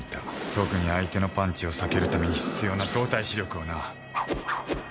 特に相手のパンチを避けるために必要な動体視力をな。